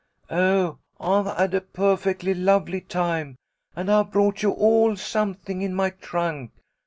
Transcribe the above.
"Oh, I've had a perfectly lovely time, and I've brought you all something in my trunk.